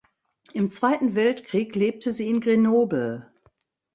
Im Zweiten Weltkrieg lebte sie in Grenoble.